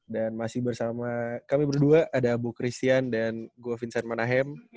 dan masih bersama kami berdua ada bu christian dan gue vincent manahe